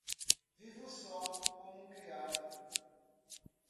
Vivo só, com um criado.